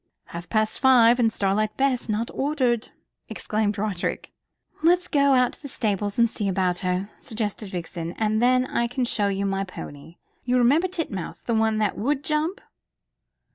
"Half past five, and Starlight Bess not ordered," exclaimed Roderick. "Let's go out to the stables and see about her," suggested Vixen. "And then I can show you my pony. You remember Titmouse, the one that would jump?"